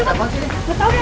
ada apaan sih di sini